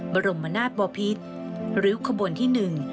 บรมนาศบอพิษริ้วขบวนที่หนึ่ง